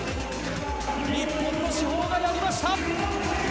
日本の至宝がやりました！